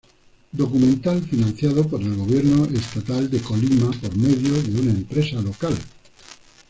Documental financiado por el gobierno estatal de Colima por medio de una empresa local.